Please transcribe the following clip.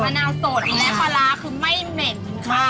มะน้ำสดและปลาร้าคือไม่เหม็น